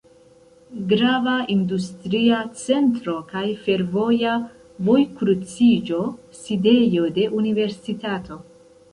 Grava industria centro kaj fervoja vojkruciĝo, sidejo de universitato.